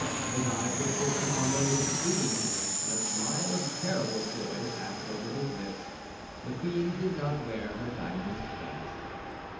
His eyes were fixed upon those of the queen, and a smile of terrible joy passed over his lips; the queen did not wear her diamond studs.